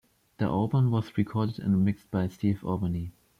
The album was recorded and mixed by Steve Albini.